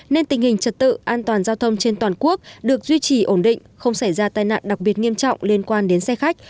nên tình hình trật tự an toàn giao thông trên toàn quốc được duy trì ổn định không xảy ra tai nạn đặc biệt nghiêm trọng liên quan đến xe khách